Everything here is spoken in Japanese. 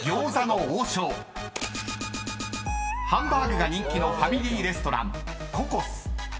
［ハンバーグが人気のファミリーレストラン］